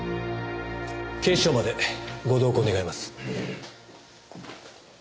警視庁までご同行願います。